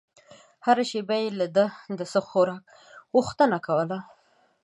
هره شېبه به يې له ده د څه خوراک غوښتنه کوله.